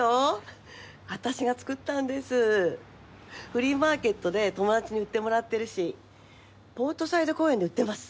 フリーマーケットで友達に売ってもらってるしポートサイド公園で売ってます。